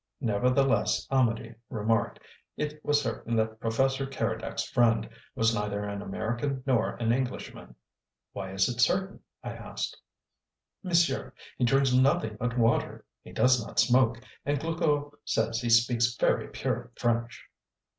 Nevertheless, Amedee remarked, it was certain that Professor Keredec's friend was neither an American nor an Englishman. "Why is it certain?" I asked. "Monsieur, he drinks nothing but water, he does not smoke, and Glouglou says he speaks very pure French."